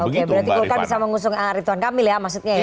berarti wolkar bisa mengusulkan rituan kamil ya maksudnya ya